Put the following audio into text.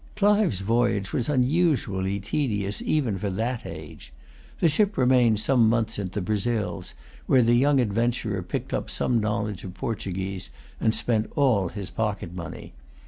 Clive's voyage was unusually tedious even for that age. The ship remained some months at the Brazils, where the young adventurer picked up some knowledge of Portuguese, and spent all his pocket money.